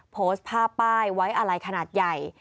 โพสต์ภาพป้ายไว้อะไรขนาดใหญ่